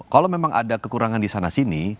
kalau memang ada kekurangan di sana sini